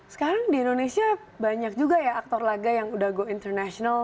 sekarang di indonesia banyak juga ya aktor laga yang udah go international